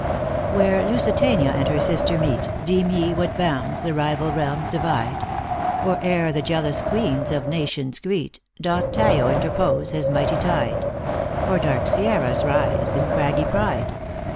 "Where Lusitania and her sister meet, Deem ye what bounds the rival realms divide ? Or ere the jealous queens of nations greet, Doth Tayo interpose his mighty tide ? Or dark Sierras rise in craggy pride?